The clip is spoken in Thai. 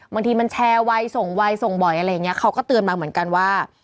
บางทีมันแชร์ไวส่งไวส่งบ่อยอะไรอย่างนี้เขาก็เตือนมาเหมือนกันว่า